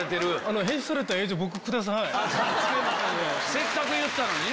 せっかく言ったのにね。